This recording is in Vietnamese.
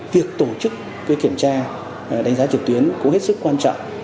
việc tổ chức kiểm tra đánh giá trực tuyến cũng hết sức quan trọng